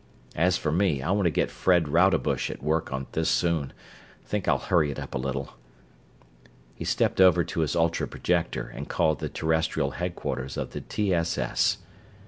As for me I want to get Fred Rodebush at work on this soon think I'll hurry it up a little." He stepped over to his ultra projector and called the Terrestrial headquarters of the T. S. S.